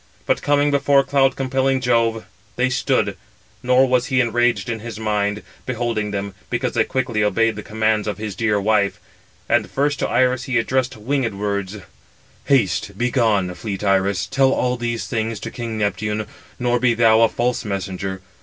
But coming before cloud compelling Jove, they stood; nor was he enraged in his mind, beholding them, because they quickly obeyed the commands of his dear wife. And first to Iris he addressed winged words: "Haste, begone, fleet Iris, tell all these things to king Neptune, nor be thou a false messenger.